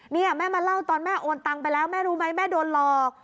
นี่แม่มาเล่าตอนแม่โอนตังไปแล้วแม่รู้ไหมแม่โดนหลอก